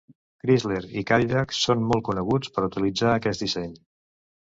Chrysler i Cadillac són molt coneguts per utilitzar aquest disseny.